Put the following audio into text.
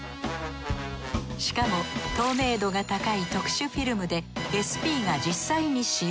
しかも透明度が高い特殊フィルムでＳＰが実際に使用。